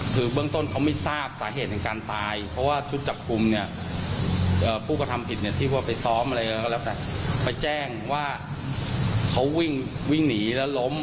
คือเบื้องต้นเขาไม่ทราบสาเหตุแห่งการตายเพราะว่าชุดจับกลุ่มเนี่ยผู้กระทำผิดเนี่ยที่ว่าไปซ้อมอะไรก็แล้วแต่ไปแจ้งว่าเขาวิ่งวิ่งหนีแล้วล้ม